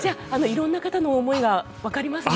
色んな方の思いがわかりますね。